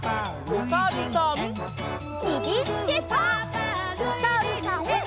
おさるさん。